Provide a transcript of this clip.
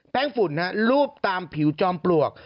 แป้งฝุ่นรูปตามผิวจอมปวก